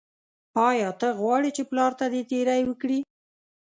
ایا ته غواړې چې پلار دې تیری وکړي.